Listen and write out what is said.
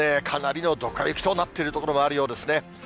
かなりのどか雪となっている所もあるようですね。